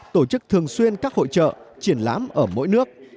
tổ chức thường xuyên các hội trợ triển lãm ở mỗi nước